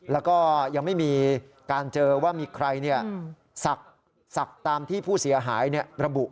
แล้วก็ยังไม่มีการเจอว่ามีใครศักดิ์ตามที่ผู้เสียหายระบุ